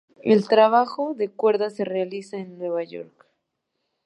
El trabajo de cuerdas se realiza en Nueva York.